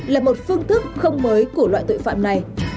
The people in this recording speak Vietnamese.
là một phương thức không mới của loại tội phạm này